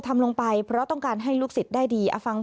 ถ้าเกิดว่าน้องเขาไม่ส่งงานหรือว่าไม่ส่งการบ้าน